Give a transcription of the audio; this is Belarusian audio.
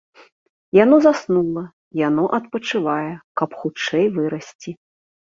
Яно заснула, яно адпачывае, каб хутчэй вырасці.